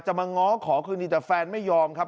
มาง้อขอคืนดีแต่แฟนไม่ยอมครับ